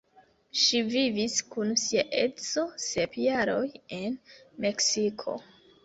Ŝi vivis kun sia edzo sep jaroj en Meksiko.